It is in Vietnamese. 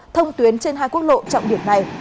thông tuyến trên hai quốc lộ trọng điểm này